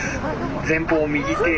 前方右手。